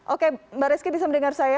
oke mbak rizky bisa mendengar saya